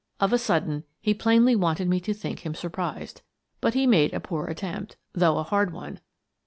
Of a sudden, he plainly wanted me to think him sur prised. But he made a poor attempt, though a hard one.